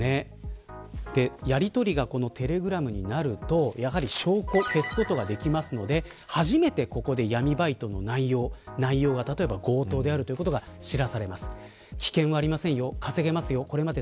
やりとりがこのテレグラムになるとやはり証拠を消すことができるので初めて、ここで闇バイトの内容が例えば強盗であることが知らされます。